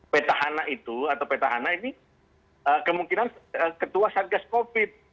peta hana itu atau peta hana ini kemungkinan ketua satgas covid